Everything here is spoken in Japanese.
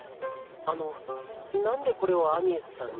あのなんでコレをアニエスさんに？